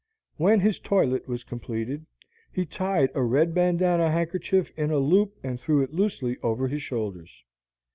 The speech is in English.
When his toilet was completed, he tied a red bandanna handkerchief in a loop and threw it loosely over his shoulders.